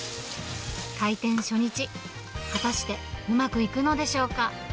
開店初日、果たしてうまくいくのでしょうか。